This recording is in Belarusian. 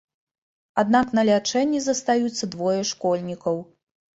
Аднак на лячэнні застаюцца двое школьнікаў.